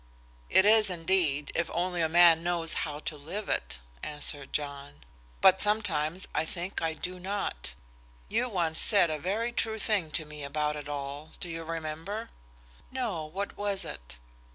"It is, indeed, if only a man knows how to live it," answered John. "But sometimes I think I do not. You once said a very true thing to me about it all. Do you remember?" "No; what was it?"